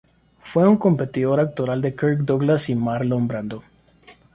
Fue un competidor actoral de Kirk Douglas y Marlon Brando.